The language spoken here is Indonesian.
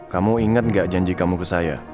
kamu ingat gak janji kamu ke saya